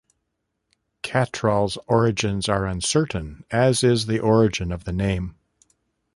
Catral's origins are uncertain, as is the origin of the name.